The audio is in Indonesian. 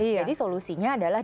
jadi solusinya adalah